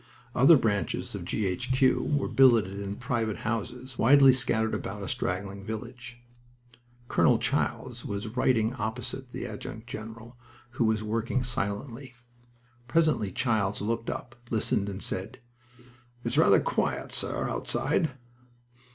Other branches of G. H. Q. were billeted in private houses, widely scattered about a straggling village. Colonel Childs was writing opposite the adjutant general, who was working silently. Presently Childs looked up, listened, and said: "It's rather quiet, sir, outside."